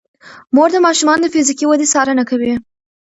مور د ماشومانو د فزیکي ودې څارنه کوي.